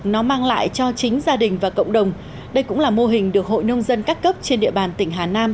nó mang lại cho chính gia đình và cộng đồng đây cũng là mô hình được hội nông dân các cấp trên địa bàn tỉnh hà nam